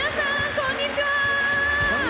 こんにちは！